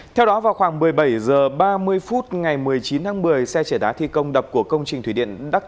theo đó vào khoảng một mươi bảy h ba mươi phút ngày một mươi chín tháng một mươi xe trẻ đá thi công đập của công trình thủy điện đắc